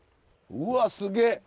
うわすげえ！